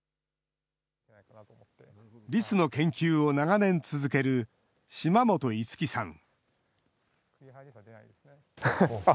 リスの研究を長年続ける、嶌本樹さん。